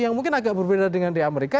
yang mungkin agak berbeda dengan di amerika